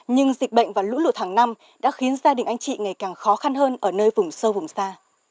nhưng dịch bệnh và lũ lụt hàng năm đã khiến gia đình anh chị ngày càng khó khăn hơn ở nơi vùng sâu vùng xa